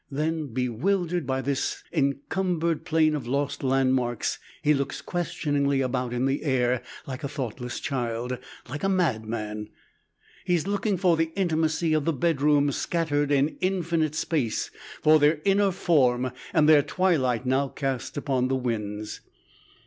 Then, bewildered by this encumbered plain of lost landmarks, he looks questioningly about in the air, like a thoughtless child, like a madman. He is looking for the intimacy of the bedrooms scattered in infinite space, for their inner form and their twilight now cast upon the winds!